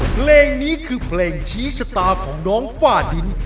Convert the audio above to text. เพลงนี้คือเพลงชี้ชะตาของน้องฝ้าดิน